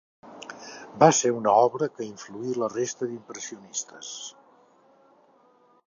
Va ser una obra que influí la resta d'impressionistes.